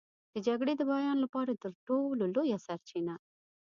د جګړې د بیان لپاره تر ټولو لویه سرچینه.